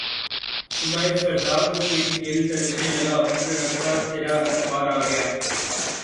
صبح فردا کو پھر دل ترسنے لگا عمر رفتہ ترا اعتبار آ گیا